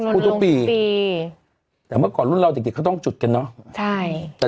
ทุกปีปีแต่เมื่อก่อนรุ่นเราเด็กเขาต้องจุดกันเนอะใช่